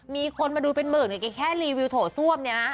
มีคนมาดูเป็นหมื่นยังแค่รีวิวโถโซ่มนี่นะ